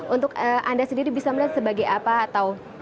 untuk anda sendiri bisa melihat